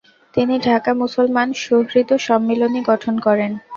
তিনি ঢাকা মুসলমান সুহৃদ সম্মিলনি গঠন করেন।